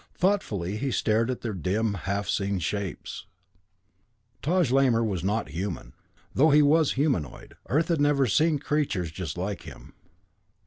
Thoughtfully he stared at their dim, half seen shapes. Taj Lamor was not human. Though he was humanoid, Earth had never seen creatures just like him.